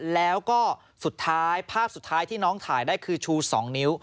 แล้วก็สุดท้ายภาพสุดท้ายที่น้องถ่ายได้คือชู๒นิ้ว